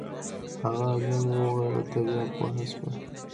هغه عالم وویل ته بیا پوه نه شوې.